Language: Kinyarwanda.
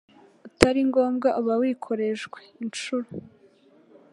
utari ngombwa uba wikorejwe. Inshuro